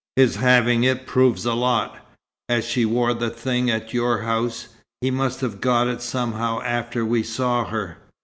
His having it proves a lot. As she wore the thing at your house, he must have got it somehow after we saw her.